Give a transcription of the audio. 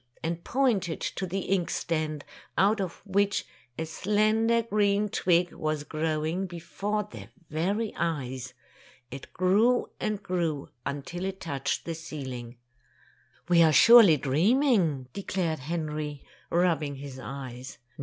'' and pointed to the ink stand, out of which a slender green twig was growing before their very eyes. It grew and grew, until it touched the ceiling. "We are surely dreaming," declared Henry, rubbing his eyes.